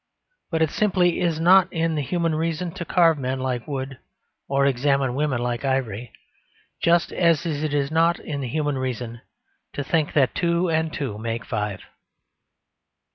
But it simply is not in the human reason to carve men like wood or examine women like ivory, just as it is not in the human reason to think that two and two make five.